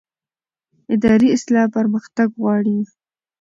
اداري اصلاح پرمختګ غواړي